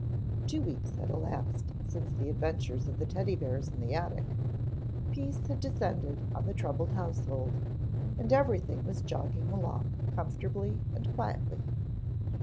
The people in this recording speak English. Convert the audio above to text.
Two weeks had elapsed since the adventures of the Teddy bears in the attic. Peace had descended on the troubled household and every thing was jogging along comfortably and quietly.